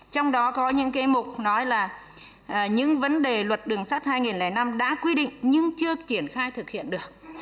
trong đó có những cái mục nói là những vấn đề luật đường sắt hai nghìn năm đã quy định nhưng chưa triển khai thực hiện được